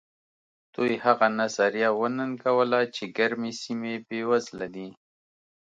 دوی هغه نظریه وننګوله چې ګرمې سیمې بېوزله دي.